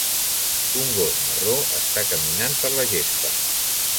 Un gos marró està caminant per la gespa.